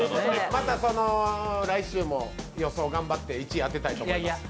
また来週も予想頑張って１位当てたいと思います。